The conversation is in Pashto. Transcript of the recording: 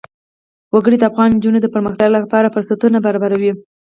وګړي د افغان نجونو د پرمختګ لپاره فرصتونه برابروي.